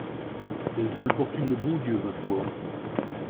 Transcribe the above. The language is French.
Elles importunent le bon Dieu, ma foi!